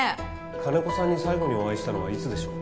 金子さんに最後にお会いしたのはいつでしょう？